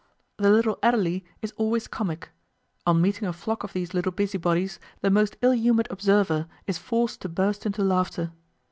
The little Adelie is always comic. On meeting a flock of these little busybodies the most ill humoured observer is forced to burst into laughter.